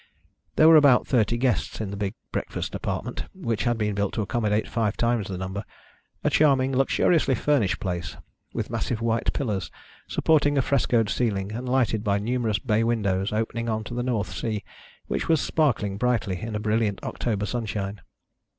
There were about thirty guests in the big breakfast apartment, which had been built to accommodate five times the number a charming, luxuriously furnished place, with massive white pillars supporting a frescoed ceiling, and lighted by numerous bay windows opening on to the North Sea, which was sparkling brightly in a brilliant October sunshine.